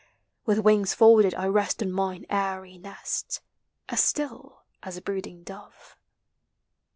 With wings folded I rest on mine airy nest, As still as a brooding dove.